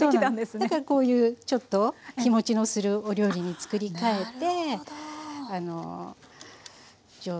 だからこういうちょっと日もちのするお料理に作り変えてなるほど。